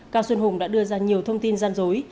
cao xuân hùng đã đưa ra nhiều thông tin gian dối